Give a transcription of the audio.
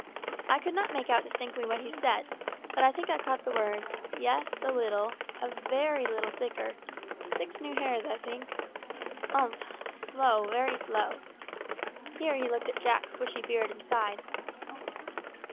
I could not make out distinctly what he said, but I think I caught the words, "Yes, a little a very little thicker six new hairs, I think umph! slow, very slow." Here he looked at Jack's bushy beard and sighed.